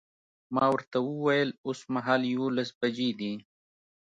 ما ورته وویل اوسمهال یوولس بجې دي.